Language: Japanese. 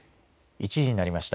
１時になりました。